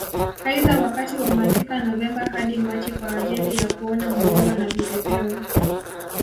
Aidha wakati wa masika Novemba hadi Machi kwa ajili ya kuona maua na vipepeo